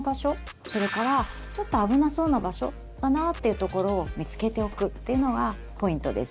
それからちょっと危なそうな場所かなっていうところを見つけておくっていうのがポイントです。